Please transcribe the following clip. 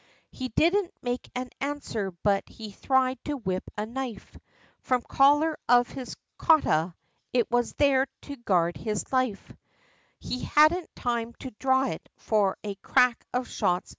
He didn't make an answer, but he thried to whip a knife, From collar of his cota it was there to guard his life He hadn't time to dhraw it, for a crack of shots!